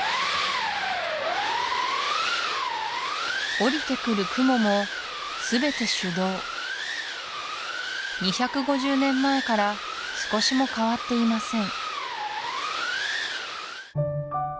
下りてくる雲もすべて手動２５０年前から少しも変わっていません